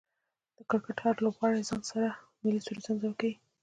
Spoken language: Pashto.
د کرکټ هر لوبغاړی ځان سره ملي سرود زمزمه کوي